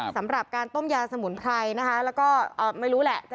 สำหรับการต้มยาสมุนไพรนะคะแล้วก็ไม่รู้แหละ